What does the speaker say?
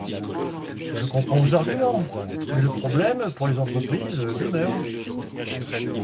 Je comprends vos arguments, mais le problème, pour les entreprises, demeure.